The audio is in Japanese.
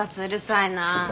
うるさいな。